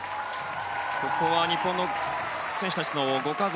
スタンドには日本の選手たちのご家族。